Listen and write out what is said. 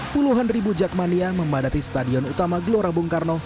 puluhan ribu jackmania membadati stadion utama glora bung karno